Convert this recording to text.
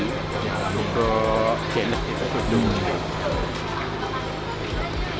untuk jenis itu sudah dulu